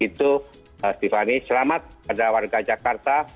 itu tiffany selamat pada warga jakarta